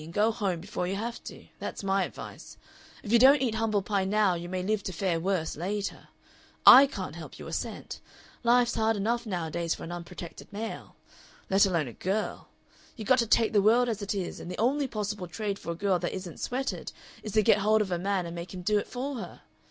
and go home before you have to. That's my advice. If you don't eat humble pie now you may live to fare worse later. I can't help you a cent. Life's hard enough nowadays for an unprotected male. Let alone a girl. You got to take the world as it is, and the only possible trade for a girl that isn't sweated is to get hold of a man and make him do it for her.